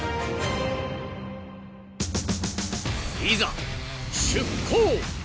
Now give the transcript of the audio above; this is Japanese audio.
［いざ出港！］